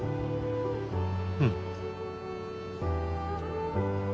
うん。